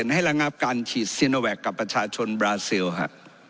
ให้ระงับการฉีดซีโนแวคกับประชาชนบราซิลฮะ